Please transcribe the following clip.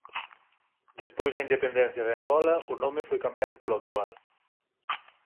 Despois da independencia de Angola o nome foi cambiado polo actual.